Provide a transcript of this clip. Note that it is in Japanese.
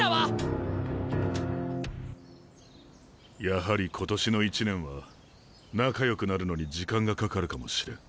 やはり今年の１年は仲よくなるのに時間がかかるかもしれん。